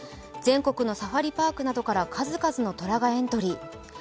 全国のサファリパークなどから数々の虎がエントリー。